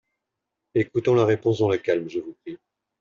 Écoutons la réponse dans le calme, je vous prie.